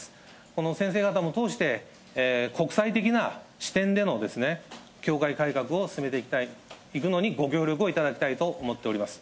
この先生方も通して、国際的な視点での教会改革を進めていくのにご協力をいただきたいと思っております。